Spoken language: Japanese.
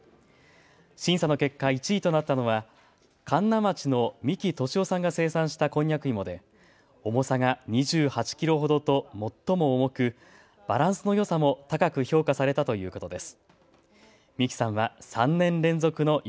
審査の結果１位となったのは神流町の三木俊夫さんが生産したこんにゃく芋で重さが２８キロほどと最も重くバランスの良さも高く評価されたということです。